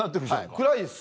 暗いです。